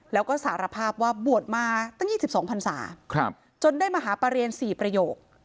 แล้วก็สารภาพว่าบวชมาตั้ง๒๒พันศาจนได้มหาประเรียน๔ประโยค